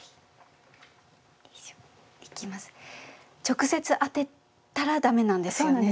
直接あてたら駄目なんですよね？